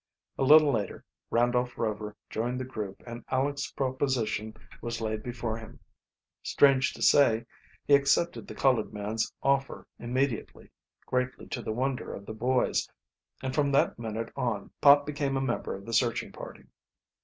A little later Randolph Rover joined the group and Aleck's proposition was laid before him. Strange to say he accepted the colored man's offer immediately, greatly to the wonder of the boys, and from that minute on Pop be came a member of the searching party.